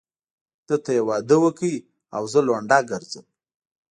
ده ته يې واده وکړ او زه لونډه ګرځم.